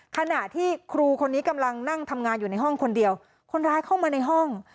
ขณะที่ครูคนนี้กำลังนั่งทำงานอยู่ในห้องคนเดียวคนร้ายเข้ามาในห้อง